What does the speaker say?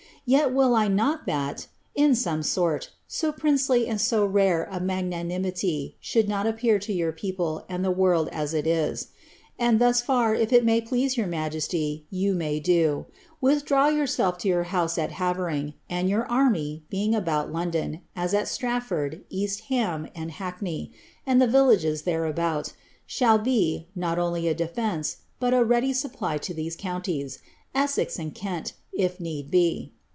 Tet will I not that (in some sort) so princely and so rare a magnanimity should not appear to your people and the world as it is. And thus far, if it may please )rour migesty, you may do : withdraw yourself to your house at Havering, and your army, being about London, as at Stratford, East Ham, Hackney, and the villages thereabout, shall be, not only a defence, but a ready supply to these counties, Essex and kent, if need be.